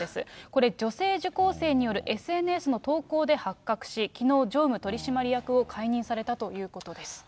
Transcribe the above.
これ、女性受講生によるＳＮＳの投稿で発覚し、きのう、常務取締役を解任されたということです。